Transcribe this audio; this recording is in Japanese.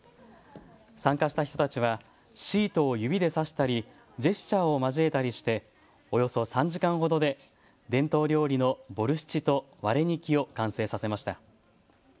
参加した人たちはシートを指で差したりジェスチャーを交えたりしておよそ３時間ほどで伝統料理のボルシチとワレニキを完成させました。